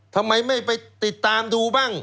ทำไมไม่ไปติดตามดูบ้าง